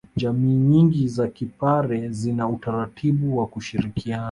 Jamii nyingi za kipare zina utaratibu wa kushirikiana